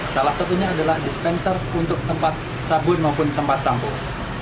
salah satunya adalah dispenser untuk tempat sabun maupun tempat shampoo